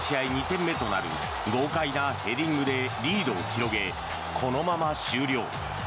２点目となる豪快なヘディングでリードを広げこのまま終了。